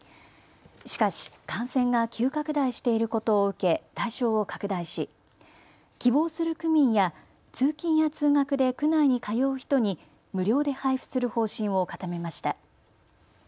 しかし、感染が急拡大していることを受け対象を拡大し、希望する区民や通勤や通学で区内に通う人に無料で配布する方針を固めました。